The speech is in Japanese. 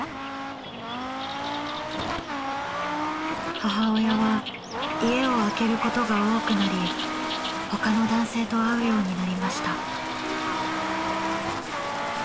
母親は家を空けることが多くなり他の男性と会うようになりました。